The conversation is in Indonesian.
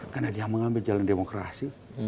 karena dia mengambil jalan demokrasi